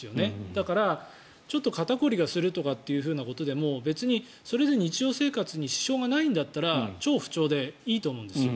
だから、ちょっと肩凝りがするとかということでも別にそれで日常生活に支障がないんだったら不調でいいと思うんですよ。